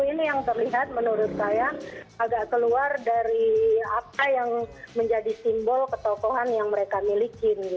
ini yang terlihat menurut saya agak keluar dari apa yang menjadi simbol ketokohan yang mereka miliki